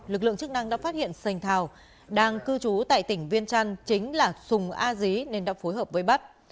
lực lượng chức năng đã phát hiện sành thào đang cư trú tại tỉnh viên trăn chính là sùng a dí nên đã phối hợp với bắt